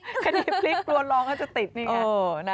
คดีพลิกกลัวรองเขาจะติดนี่ไง